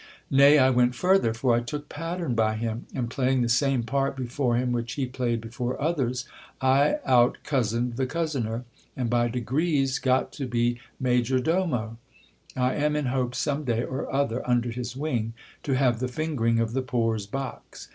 Nay, I went further, for I took pattern by him ; and playing the same part before him which he played before others, I out cozened the cozener, and by degrees got to be major domo. I am in hopes some day or other, under his wing, to have the fingering of the poor's box.